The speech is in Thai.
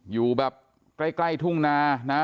อยู่แบบใกล้ทุ่งนานะ